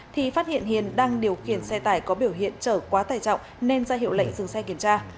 thì phát hiện hiền đang điều khiển xe tải có biểu hiện trở quá tải trọng nên ra hiệu lệnh dừng xe kiểm tra